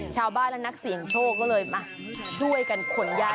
ชาวบ้านและนักเสี่ยงโชคก็เลยมาช่วยกันขนย้าย